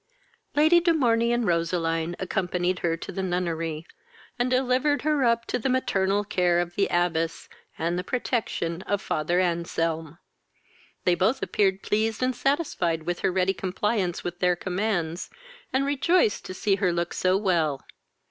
Lady de Morney and Roseline accompanied her to the nunnery, and delivered her up to the maternal care of the abbess, and the protection of father Anselm. They both appeared pleased and satisfied with her ready compliance with their commands, and rejoiced to see her look so well.